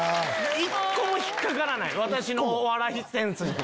一個も引っ掛からない私のお笑いセンスに。